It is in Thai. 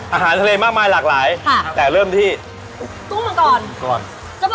อาหารทะเลมากมายหลากหลายค่ะแต่เริ่มที่กุ้งมังกรกุ้งมังกร